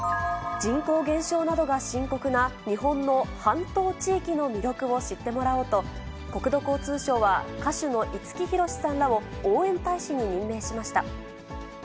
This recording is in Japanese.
人口減少などが深刻な、日本の半島地域の魅力を知ってもらおうと、国土交通省は歌手の五木ひろしさんらを応援大使に任命しました。